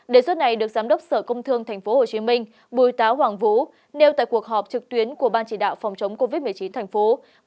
đề xuất này được giám đốc sở công thương tp hcm bùi táo hoàng vũ nêu tại cuộc họp trực tuyến của ban chỉ đạo phòng chống covid một mươi chín thành phố